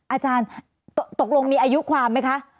อาจารย์ตกลงมีอายุความไหมคะ